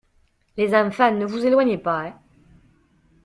Les enfants, ne vous éloignez pas.